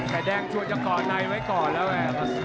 ไข่แดงชัวร์จะก่อนใจไว้ก่อนแล้วแวะ